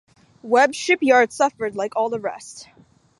Webb's shipyard suffered like all the rest.